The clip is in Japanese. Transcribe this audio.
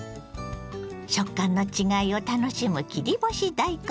食感の違いを楽しむ切り干し大根。